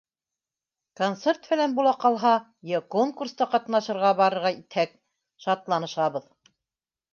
Концерт-фәлән була ҡалһа йә конкурста ҡатнашырға барырға итһәк, — шатланышабыҙ.